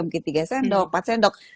mungkin tiga sendok empat sendok